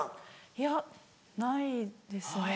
いやないですね。